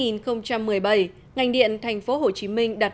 năm hai nghìn một mươi bảy ngành điện tp hcm đặt